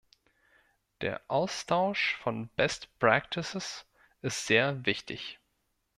Der Austausch von best practices ist sehr wichtig.